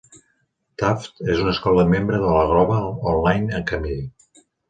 Taft és una escola membre de la Global Online Academy.